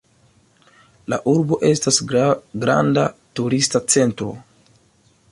La urbo estas granda turista centro.